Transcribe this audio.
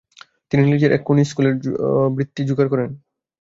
তিনি লীজের এক খনিজ স্কুলের বৃত্তি যোগার করেন।